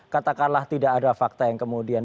katakanlah tidak ada fakta yang kemudian